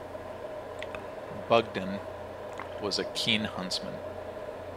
Budgen was a keen huntsman.